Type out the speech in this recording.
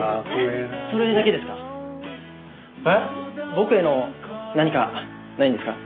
僕への何かないんですか？